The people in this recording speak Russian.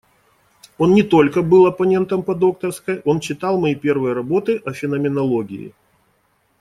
Он не только был оппонентом по докторской, он читал мои первые работы о феноменологии.